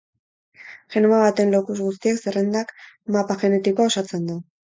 Genoma baten locus guztien zerrendak mapa genetikoa osatzen du.